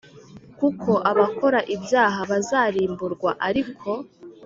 Kuko abakora ibyaha bazarimburwa Ariko